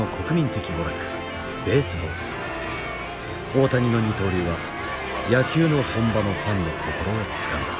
大谷の二刀流は野球の本場のファンの心をつかんだ。